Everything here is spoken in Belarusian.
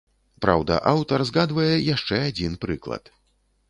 Праўда, аўтар згадвае яшчэ адзін прыклад.